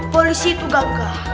polisi itu gagah